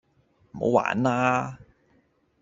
唔好玩啦